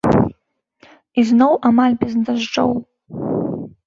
І зноў амаль без дажджоў.